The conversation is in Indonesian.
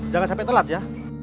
jangan sampai telat ya